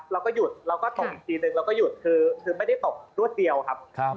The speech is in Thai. เราก็หยุดเราก็ตบอีกทีนึงเราก็หยุดคือไม่ได้ตกรวดเดียวครับ